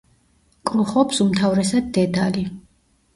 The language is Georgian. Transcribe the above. კრუხობს უმთავრესად დედალი.